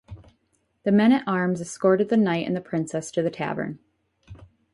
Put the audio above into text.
The men-at-arms escorted the knight and the princess to the tavern.